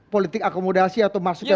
politik akomodasi atau masuknya